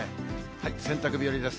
洗濯日和です。